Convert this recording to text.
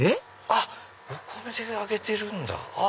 あっお米で揚げてるんだ。